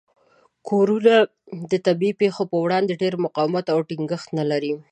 کورونه د طبیعي پیښو په وړاندې ډیر مقاومت او ټینګښت نه لري.